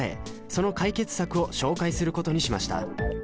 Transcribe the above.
その解決策を紹介することにしました